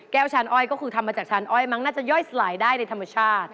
ชานอ้อยก็คือทำมาจากชานอ้อยมั้งน่าจะย่อยสลายได้ในธรรมชาติ